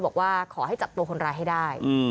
บอกว่าขอให้จับตัวคนร้ายให้ได้